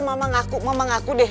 mama ngaku mama ngaku deh